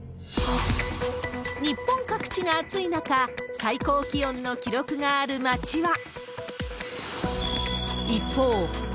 日本各地が暑い中、最高気温の記録がある町は。